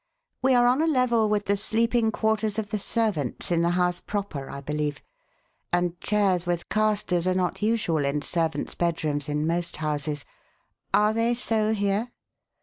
We are on a level with the sleeping quarters of the servants in the house proper, I believe, and chairs with casters are not usual in servants' bedrooms in most houses. Are they so here?"